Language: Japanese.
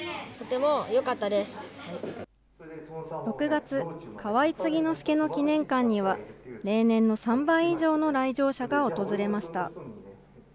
６月、河井継之助の記念館には、例年の３倍以上の来場者が訪れました。